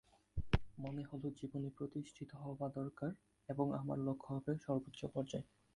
মনে হলো, জীবনে প্রতিষ্ঠিত হওয়া দরকার এবং আমার লক্ষ্য হবে সর্বোচ্চ পর্যায়।